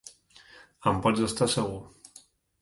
En pots estar segur.